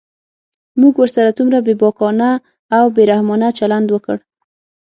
موږ ورسره څومره بېباکانه او بې رحمانه چلند وکړ.